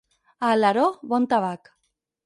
A Alaró, bon tabac.